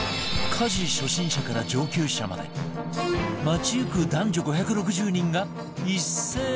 家事初心者から上級者まで街行く男女５６０人が一斉告白！